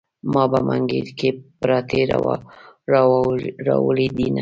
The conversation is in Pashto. ما په منګي کې پراټې راوړي دینه.